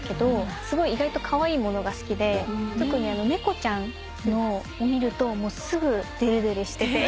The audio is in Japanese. すごい意外とカワイイものが好きで特にネコちゃんのを見るとすぐデレデレしてて。